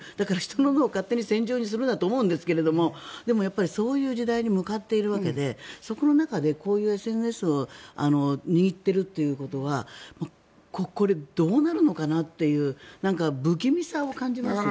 人の脳を勝手に戦場にするなと思うんですけどでもそういう時代に向かっているのでそういう中でこういうＳＮＳを握っているということはこれ、どうなるのかなという不気味さを感じますよね。